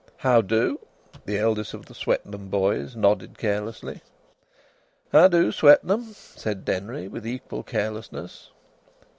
"How do?" the eldest of the Swetnam boys nodded carelessly. "How do, Swetnam?" said Denry, with equal carelessness.